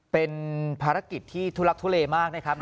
เป็นภารกิจที่ทุลักทุเลมากนะครับ